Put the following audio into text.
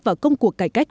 và công cuộc cải cách